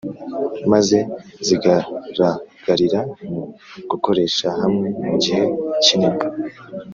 Maze zigaragarira mu gukorera hamwe mu gihe kinini.